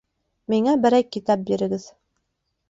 Миңә берәй китап бирегеҙ.